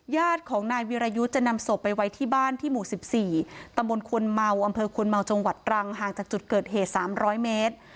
ญาติของนายวิรายุทธ์จะนำศพไปไว้ที่บ้านที่หมู่๑๔ตำบลควนเมาอำเภอควนเมาจังหวัดตรังห่างจากจุดเกิดเหตุ๓๐๐เมตร